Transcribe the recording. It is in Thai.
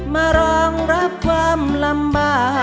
มารองรับความรัก